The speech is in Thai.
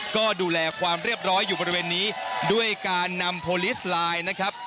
ก็ดูแลความเรียบร้อยอยู่บริเวณนี้ด้วยการนำโพลิสไลน์นะครับ